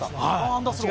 アンダースロー。